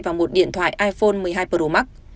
và một điện thoại iphone một mươi hai pro max